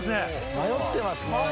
迷ってますね。